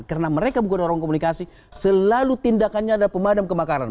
karena mereka bukan orang komunikasi selalu tindakannya adalah pemadam kemakaran